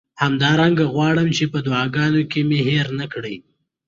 همدارنګه غواړم چې په دعاګانو کې مې هیر نه کړئ.